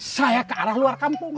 saya ke arah luar kampung